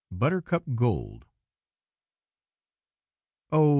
BUTTERCUP GOLD. OH!